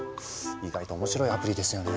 意外と面白いアプリですよね。